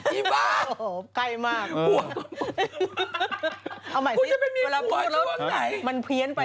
อีบ้าหัวกับพ้อยเอาใหม่สิเวลาพูดแล้วมันเพี้ยนไป